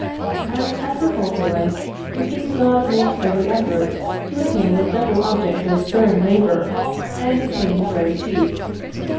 As agriculturist, Mr. Bugeaud makes every effort to attain the double object of sparing labor, and obtaining bread cheap.